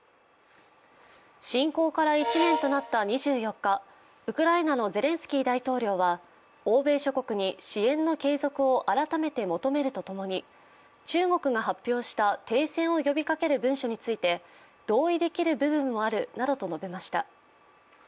侵攻から１年となった２４日、ウクライナのゼレンスキー大統領は欧米諸国に支援の継続を改めて求めるとともに中国が発表した停戦を呼びかける文書について同意できる部分もあるなどと述べました。